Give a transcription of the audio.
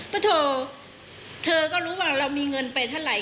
ก็โทรเธอก็รู้ว่าเรามีเงินไปเท่าไหร